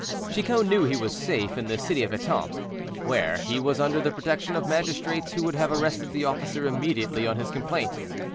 Chicot knew he was safe in the city of Etampes, where he was under the protection of magistrates who would have arrested the officer immediately on his complaint.